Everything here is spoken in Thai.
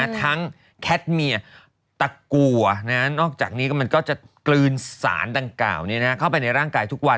แคทเมียตะกัวนอกจากนี้มันก็จะกลืนสารดังกล่าวเข้าไปในร่างกายทุกวัน